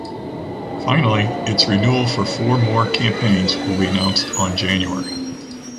Finally, its renewal for four more campaigns will be announced on January.